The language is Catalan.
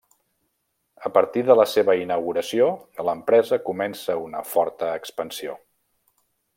A partir de la seva inauguració, l’empresa comença una forta expansió.